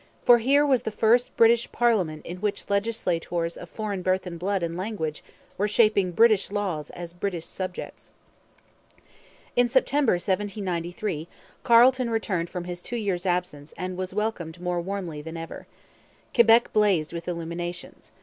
For here was the first British parliament in which legislators of foreign birth and blood and language were shaping British laws as British subjects. In September 1793 Carleton returned from his two years' absence and was welcomed more warmly than ever. Quebec blazed with illuminations.